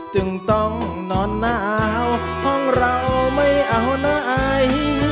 จึงต้องนอนหนาวห้องเราไม่เอาไหน